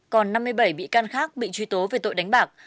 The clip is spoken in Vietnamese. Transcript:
còn năm mươi bảy bị can khác bị truy tố về tội đánh bạc